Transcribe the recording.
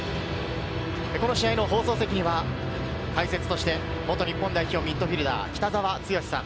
この試合の放送席には、解説として元日本代表ミッドフィルダー・北澤豪さん。